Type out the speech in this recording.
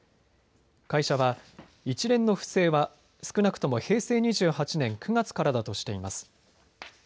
会社は一連の不正は少なくとも平成２８年９月からだとしています。